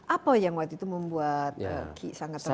apa yang waktu itu membuat ki sangat tertarik